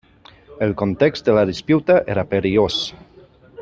El context de la disputa era perillós.